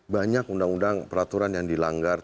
banyak undang undang peraturan yang dilanggar